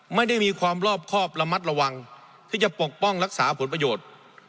ไม่ได้มีความรอบครอบระมัดระวังที่จะปกป้องรักษาผลประโยชน์